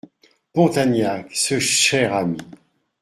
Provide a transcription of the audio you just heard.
Pontagnac ! ce cher ami !